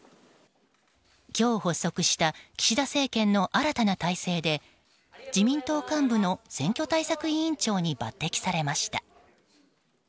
今日発足した岸田政権の新たな体制で自民党幹部の選挙対策委員長に抜擢されました。